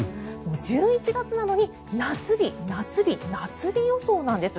１１月なのに夏日、夏日、夏日予想なんです。